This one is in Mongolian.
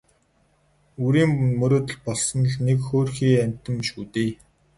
Үрийн мөрөөдөл болсон л нэг хөөрхий амьтан шүү дээ.